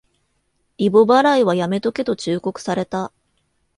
リボ払いはやめとけと忠告された